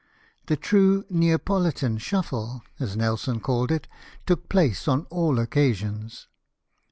The true Neapolitan shufHe, as Nelson called it, took place on all occasions.